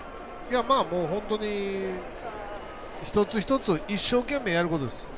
本当に一つ一つ一生懸命やることです。